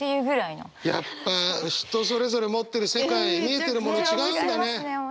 やっぱ人それぞれ持ってる世界見えてるもの違うんだね。